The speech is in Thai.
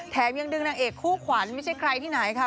ยังดึงนางเอกคู่ขวัญไม่ใช่ใครที่ไหนค่ะ